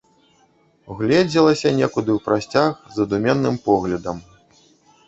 Угледзелася некуды ў прасцяг задуменным поглядам.